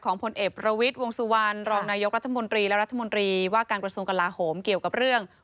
ของพ่อเ